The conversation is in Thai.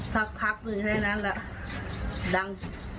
ถ้าพักนึงแค่นั้นแหละดั่ง